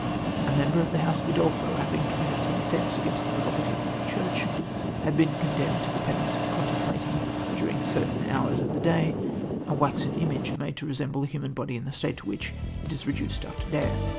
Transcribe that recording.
A member of the house of Udolpho, having committed some offence against the prerogative of the church, had been condemned to the penance of contemplating, during certain hours of the day, a waxen image made to resemble a human body in the state to which it is reduced after death